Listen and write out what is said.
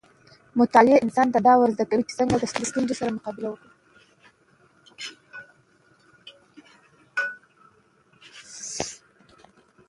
مطالعه انسان ته دا ورزده کوي چې څنګه له ستونزو سره مقابله وکړي.